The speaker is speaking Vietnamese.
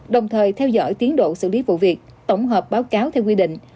đồng thời theo dõi tiến độ xử lý vụ việc tổng hợp báo cáo theo quy định